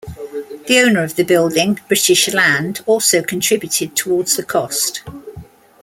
The owner of the building, British Land, also contributed towards the cost.